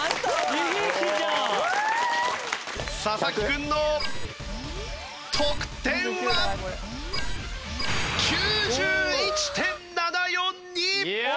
佐々木君の得点は！？９１．７４２！